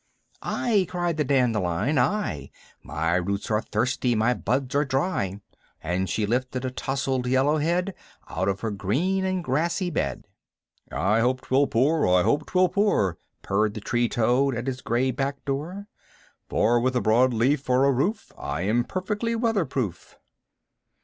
'T," cried the dandelion, ''I, My roots are thirsty, my buds are dry. And she lifted a towsled yellow head Out of her green and grassy bed. »f *'I hope *twill pour! I hope 'twill pour!" Purred the tree toad at his gray back door; 'Tor, with a broad leaf for a roof, I am perfectly weatherproof."